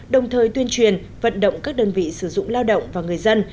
đồng thời tuyên truyền vận động các đơn vị sử dụng lao động và người dân